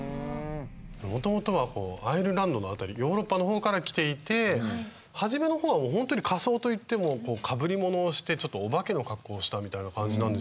もともとはアイルランドの辺りヨーロッパの方から来ていて初めの方はほんとに仮装といってもかぶり物をしてちょっとおばけの格好をしたみたいな感じなんですよね。